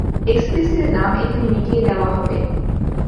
এক্সপ্রেসের দাম এখানে মিটিয়ে দেওয়া হবে।